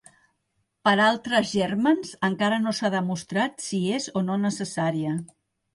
Per altres gèrmens, encara no s'ha demostrat si és o no necessària.